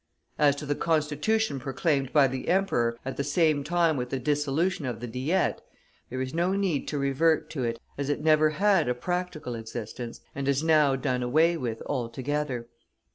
As to the Constitution proclaimed by the Emperor at the same time with the dissolution of the Diet, there is no need to revert to it, as it never had a practical existence, and is now done away with altogether.